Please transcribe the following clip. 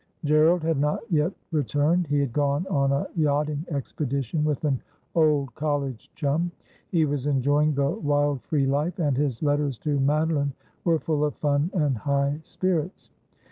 Gerald had not yet returned. He had gone on a yachting expedition with an old college chum. He was enjoying the wild free life, and his letters to Madoline were full of fun and high spirits.